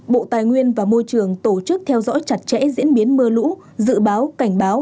bộ tài nguyên và môi trường tổ chức theo dõi chặt chẽ diễn biến mưa lũ dự báo cảnh báo